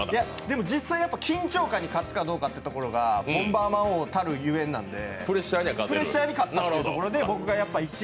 実際、緊張感に勝つかどうかが「ボンバーマン」王がたるゆえんなんで、プレッシャーに勝ったということで僕が１位。